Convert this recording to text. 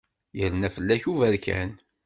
Yerna fell-ak uberkan.